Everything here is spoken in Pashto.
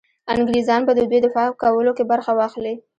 انګرېزان به د دوی دفاع کولو کې برخه واخلي.